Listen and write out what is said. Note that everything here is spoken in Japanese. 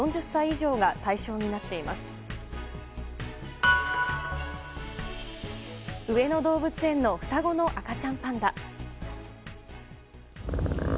上野動物園の双子の赤ちゃんパンダ。